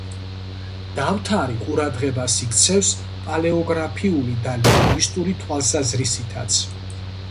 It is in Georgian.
დავთარი ყურადღებას იქცევს პალეოგრაფიული და ლინგვისტური თვალსაზრისითაც.